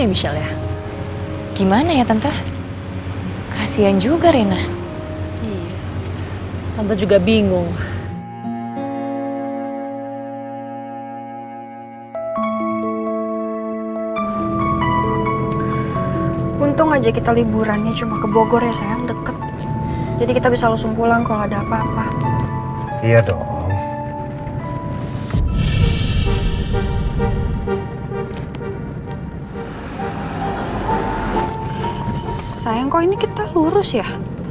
iya nanti setelah praktek aku balik lagi kesini ya